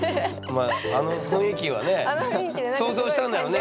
まああの雰囲気はねえ想像したんだろうね。